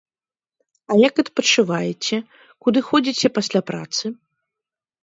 А як адпачываеце, куды ходзіце пасля працы?